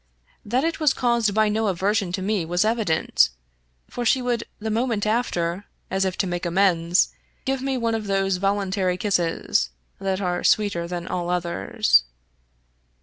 That it was caused by no aversion to me was evident, for she would the moment after, as if to make amends, give me one of those voluntary kisses that are sweeter than all others.